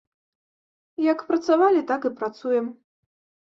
Як працавалі, так і працуем.